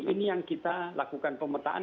ini yang kita lakukan pemetaan